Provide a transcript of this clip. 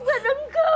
salam equatth au